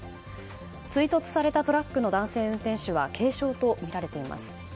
追突されたトラックの男性運転手は軽傷とみられています。